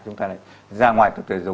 chúng ta lại ra ngoài tập thể dục